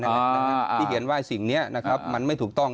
ที่เห็นว่าสิ่งนี้นะครับมันไม่ถูกต้อง